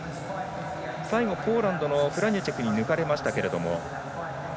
最後、ポーランドのフラニェチェクに抜かれましたが。